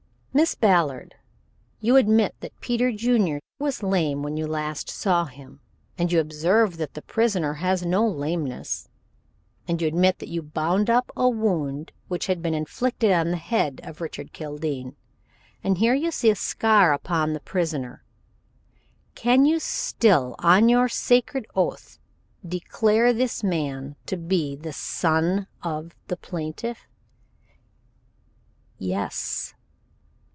"Miss Ballard, you admit that Peter Junior was lame when last you saw him, and you observe that the prisoner has no lameness, and you admit that you bound up a wound which had been inflicted on the head of Richard Kildene, and here you see the scar upon the prisoner; can you still on your sacred oath declare this man to be the son of the plaintiff?" "Yes!"